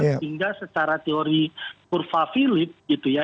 sehingga secara teori kurva philip gitu ya